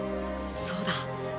そうだ。